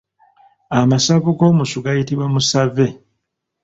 Amasavu g’omusu gayitibwa Musave.